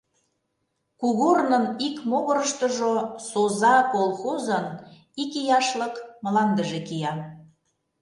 Кугорнын ик могырыштыжо «Соза» колхозын икияшлык мландыже кия.